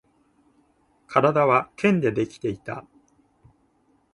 体は剣でできていた